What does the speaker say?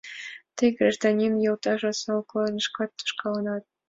Тый, гражданин йолташ, осал корныш тошкалынат.